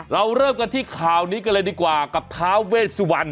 เราเริ่มกับข่าวนี้กันดีกว่ากับพ้าเวสวรรค์